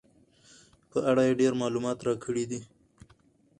په اړه یې ډېر معلومات راکړي دي.